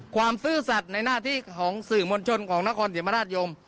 ซื่อสัตว์ในหน้าที่ของสื่อมวลชนของนครศรีธรรมราชยม